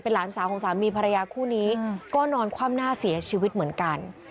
หลานสาวของสามีภรรยาคู่นี้ก็นอนคว่ำหน้าเสียชีวิตเหมือนกัน